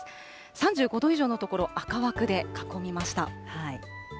３５度以上の所、赤枠で囲みました。